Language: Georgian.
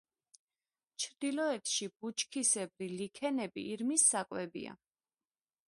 ჩრდილოეთში ბუჩქისებრი ლიქენები ირმის საკვებია.